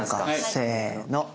せの。